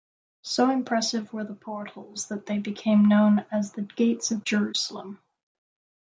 So impressive were the portals that they became known as the "Gates of Jerusalem".